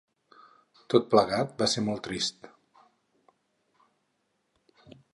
Tot plegat, va ser molt trist.